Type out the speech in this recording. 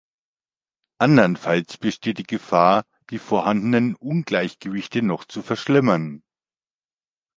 Andernfalls besteht die Gefahr, die vorhandenen Ungleichgewichte noch zu verschlimmern.